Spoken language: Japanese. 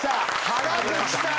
原口さん。